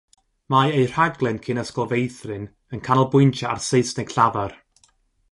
Mae eu rhaglen cyn ysgol feithrin yn canolbwyntio ar Saesneg llafar.